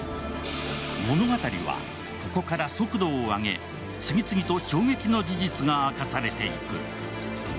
物語はここから速度を上げ、次々と衝撃の事実が明かされていく。